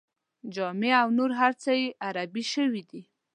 جامې او نور هر څه یې عربي شوي دي.